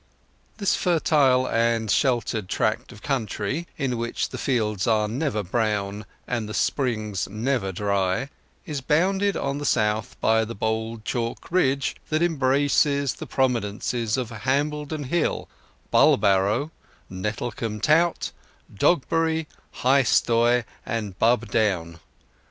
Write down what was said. This fertile and sheltered tract of country, in which the fields are never brown and the springs never dry, is bounded on the south by the bold chalk ridge that embraces the prominences of Hambledon Hill, Bulbarrow, Nettlecombe Tout, Dogbury, High Stoy, and Bubb Down.